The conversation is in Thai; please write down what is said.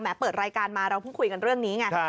เปิดรายการมาเราเพิ่งคุยกันเรื่องนี้ไง